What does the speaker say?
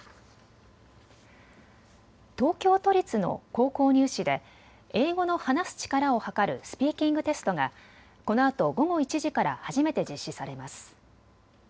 東京都立の高校入試で英語の話す力をはかるスピーキングテストがこのあと午後１時から初めて実施されます。